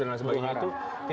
dan sebagainya itu